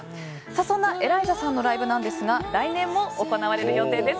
そんなエライザさんのライブですが来年も行われる予定です。